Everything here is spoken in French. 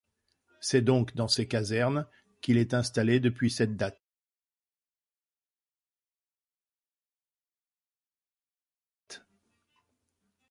C’est donc dans ces casernes qu’il est installé depuis cette date.